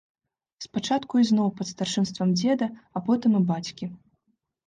Спачатку ізноў пад старшынствам дзеда, а потым і бацькі.